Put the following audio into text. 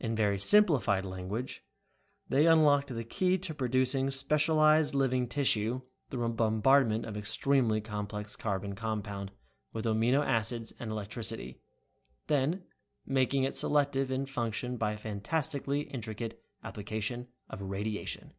In very simplified language they unlocked the key to producing specialized living tissue through a bombardment of an extremely complex carbon compound with amino acids and electricity, then making it selective in function by a fantastically intricate application of radiation.